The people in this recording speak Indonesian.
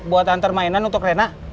buat antar mainan untuk rena